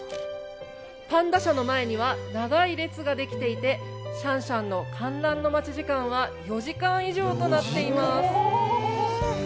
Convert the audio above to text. パンダ舎の前には長い列が出来ていて、シャンシャンの観覧の待ち時間は４時間以上となっています。